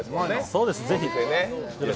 そうです、ぜひ。